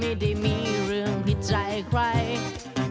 ไม่ได้มีเรื่องผิดใจใคร